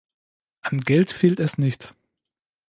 An Geld fehlt es nicht.